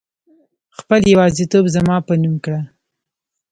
خپل يوازيتوب زما په نوم کړه